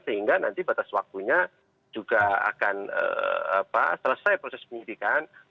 sehingga nanti batas waktunya juga akan selesai proses penyidikan